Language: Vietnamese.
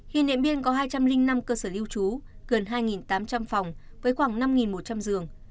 hiện điện biên có hai trăm linh năm cơ sở lưu trú gần hai tám trăm linh phòng với khoảng năm một trăm linh giường